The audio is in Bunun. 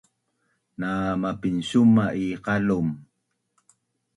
na mapinsuma’ i qalum